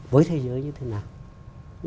với thế giới như thế nào